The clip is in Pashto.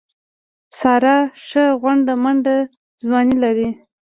ساره ښه غونډه منډه ځواني لري.